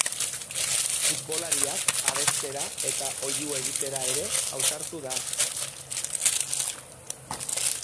Futbolariak abestera eta oihu egitera ere ausartu da.